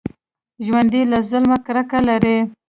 ژوندي له ظلمه کرکه لري